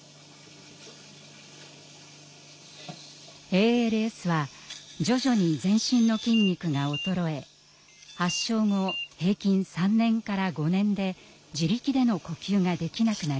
ＡＬＳは徐々に全身の筋肉が衰え発症後平均３年から５年で自力での呼吸ができなくなります。